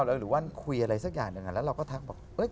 หรือว่าคุยอะไรสักอย่างหนึ่งแล้วเราก็ทักบอก